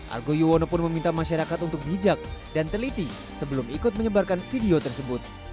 argo yuwono pun meminta masyarakat untuk bijak dan teliti sebelum ikut menyebarkan video tersebut